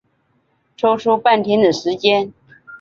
抽出半天的时间